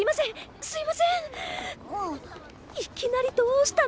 いきなりどうしたの？